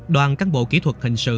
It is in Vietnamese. đoàn cán bộ kỹ thuật hình sự